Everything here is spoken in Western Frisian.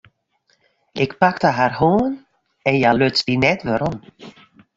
Ik pakte har hân en hja luts dy net werom.